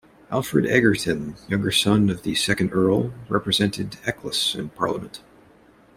Alfred Egerton, younger son of the second Earl, represented Eccles in Parliament.